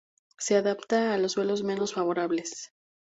Se adapta a los suelos menos favorables.